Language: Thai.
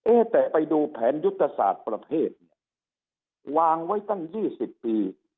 เอ๊ะแต่ไปดูแผนยุติศาสตร์ประเทศวางไว้ตั้ง๒๐ปี